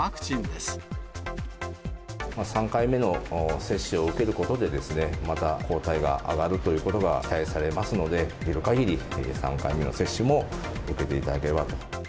３回目の接種を受けることで、また抗体が上がるということが期待されますので、できるかぎり３回目の接種も受けていただければと。